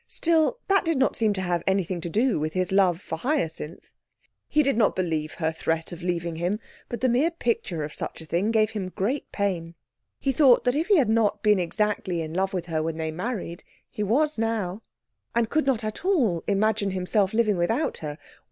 Still, that did not seem to have anything to do with his love for Hyacinth. He did not believe her threat of leaving him, but the mere picture of such a thing gave him great pain. He thought that if he had not been exactly in love with her when they married he was now; and could not at all imagine himself living without her.